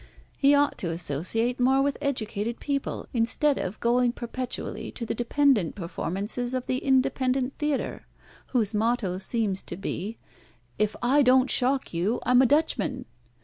He ought to associate more with educated people, instead of going perpetually to the dependent performances of the independent theatre, whose motto seems to be, 'If I don't shock you, I'm a Dutchman!'